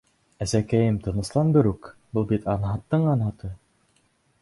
— Әсәкәйем, тыныслан берүк, был бит анһаттың-анһаты!